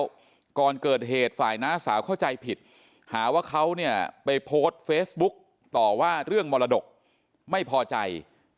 แล้วก่อนเกิดเหตุฝ่ายน้าสาวเข้าใจผิดหาว่าเขาเนี่ยไปโพสต์เฟซบุ๊กต่อว่าเรื่องมรดกไม่พอใจ